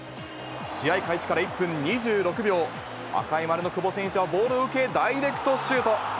試合開始から１分２６秒、赤い丸の久保選手は、ボールを受け、ダイレクトシュート。